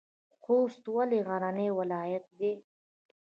خوست ولې غرنی ولایت دی؟